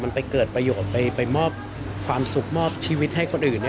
มันไปเกิดประโยชน์ไปมอบความสุขมอบชีวิตให้คนอื่น